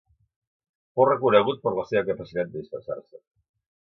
Fou reconegut per la seva capacitat de disfressar-se.